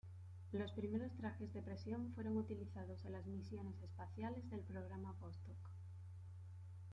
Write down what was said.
Los primeros trajes de presión fueron utilizados en las misiones espaciales del programa Vostok.